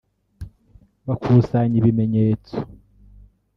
bakusanya ibimenyetso